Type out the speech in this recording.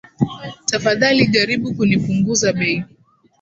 Tafadhali jaribu kunipunguza bei!